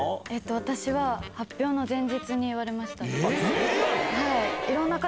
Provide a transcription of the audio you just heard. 私は発表の前日に言われまし前日なの？